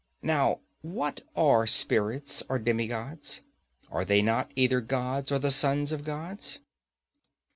Now what are spirits or demigods? Are they not either gods or the sons of gods?